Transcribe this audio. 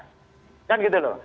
maka uangnya tidak dikeluarkan